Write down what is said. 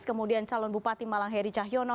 kemudian calon bupati malang heri cahyono